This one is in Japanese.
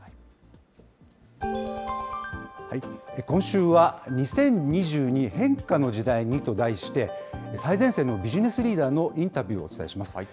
今週は、２０２２変化の時代にと題して、最前線のビジネスリーダーのインタビューをお伝えします。